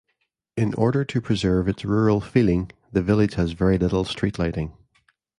In order to preserve its rural feeling the village has very little street lighting.